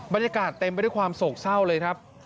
บรรยากาศเต็มไปด้วยความโศกเศร้าเลยครับ